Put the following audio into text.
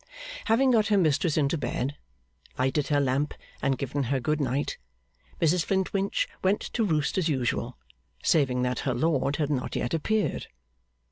Having got her mistress into bed, lighted her lamp, and given her good night, Mrs Flintwinch went to roost as usual, saving that her lord had not yet appeared.